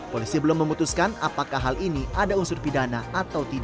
polisi belum memutuskan apakah hal ini ada di dalam konten